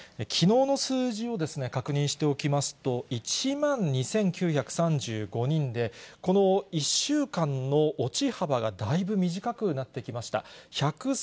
きのうの数字を確認しておきますと、１万２９３５人で、この１週間の落ち幅がだいぶ短くなってきました。